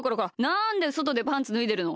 なんでそとでパンツぬいでるの！